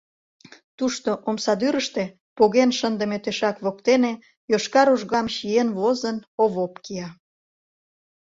Тушто, омсадӱрыштӧ, поген шындыме тӧшак воктене, йошкар ужгам чиен возын, Овоп кия.